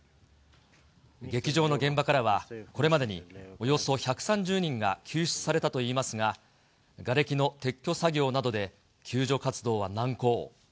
劇場の現場からは、これまでにおよそ１３０人が救出されたといいますが、がれきの撤去作業などで救助活動は難航。